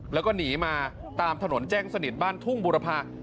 แล้วก็หนีมาตามถนนแจ้งสนิทบ้านทุ่งบุรพา